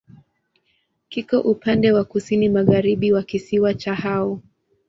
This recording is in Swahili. Kiko upande wa kusini-magharibi wa kisiwa cha Hao.